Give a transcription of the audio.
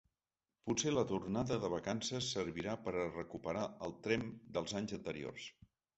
Potser la tornada de vacances servirà per a recuperar el tremp dels anys anteriors.